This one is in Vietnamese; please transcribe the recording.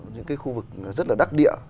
những cái khu vực rất là đắc địa